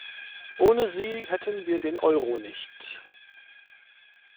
Ohne sie hätten wir den Euro nicht.